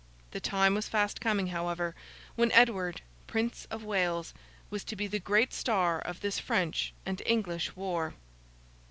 The time was fast coming, however, when Edward, Prince of Wales, was to be the great star of this French and English war.